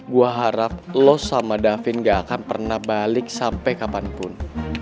gue harap los sama davin gak akan pernah balik sampai kapanpun